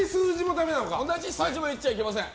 同じ数字も言っちゃいけません。